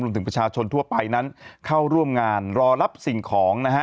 ถึงประชาชนทั่วไปนั้นเข้าร่วมงานรอรับสิ่งของนะฮะ